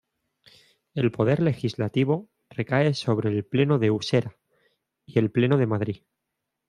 El poder legislativo recae sobre el Pleno de Usera y el Pleno de Madrid.